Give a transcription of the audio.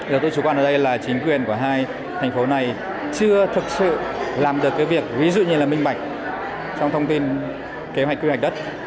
đầu tư chủ quan ở đây là chính quyền của hai thành phố này chưa thực sự làm được cái việc ví dụ như là minh bạch trong thông tin kế hoạch quy hoạch đất